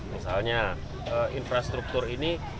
misalnya infrastruktur ini